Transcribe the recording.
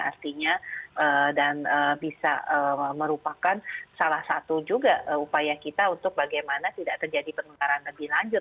artinya dan bisa merupakan salah satu juga upaya kita untuk bagaimana tidak terjadi penularan lebih lanjut